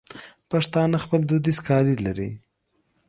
پښتانه خپل دودیز کالي لري.